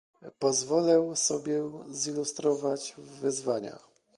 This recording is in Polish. Pozwolę sobie zilustrować wyzwania